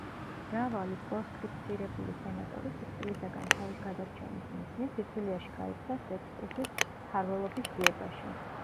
მრავალი პროსკრიფცირებული სენატორი სიკვდილისაგან თავის გადარჩენის მიზნით სიცილიაში გაიქცა სექსტუსის მფარველობის ძიებაში.